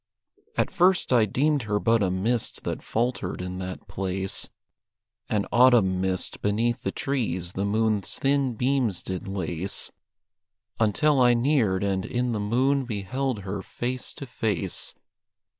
At first I deemed her but a mist that faltered in that place, An autumn mist beneath the trees the moon's thin beams did lace, Until I neared and in the moon beheld her face to face.